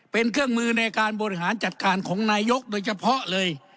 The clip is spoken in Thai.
เป็นเครื่องมือในการบริหารจัดการของนายกโดยเฉพาะเลย